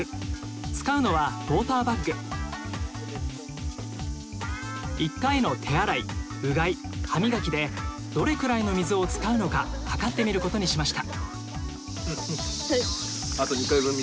使うのは１回の手洗いうがい歯磨きでどれくらいの水を使うのかはかってみることにしました。